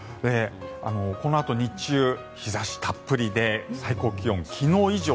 このあと、日中日差したっぷりで最高気温、昨日以上。